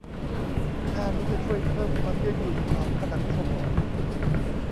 ท่านี้จะช่วยเพิ่มความยืดหยุ่นของผนังทรวงอก